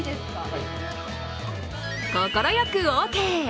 快くオーケー。